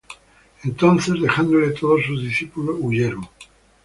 Entonces dejándole todos sus discípulos, huyeron.